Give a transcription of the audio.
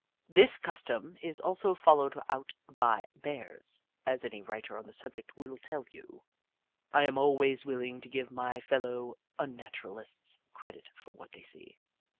This custom is also followed out by Bears, Jenny Ragtail 185 as any writer on the subject will tell you. I am always willing to give my fellow Unna turalists credit for what they see.